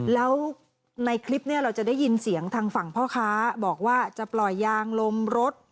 แล้วในคลิปเนี่ยเราจะได้ยินเสียงทางฝั่งพ่อค้าบอกว่าจะปล่อยยางลมรถ